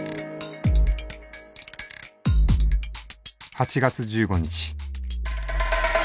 ８月１５日。